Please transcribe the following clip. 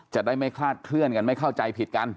จะได้ไม่คลาดเคลื่อนกันไม่เข้าใจผิดกัน